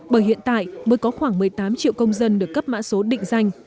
bởi hiện tại mới có khoảng một mươi tám triệu công dân được cấp mã số định danh